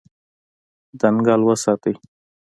ځنګل وساتئ.